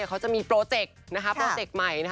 เขาจะมีโปรเจคโปรเจกต์ใหม่